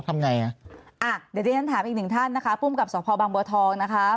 ท่านภูมิกลับมาที่บางบัวทอง